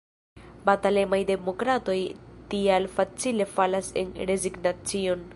Batalemaj demokratoj tial facile falas en rezignacion.